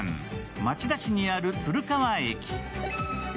町田市にある鶴川駅。